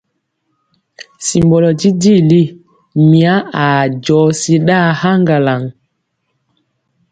Simbɔlɔ jijili, mya aa jɔsi ɗaa haŋgalaŋ.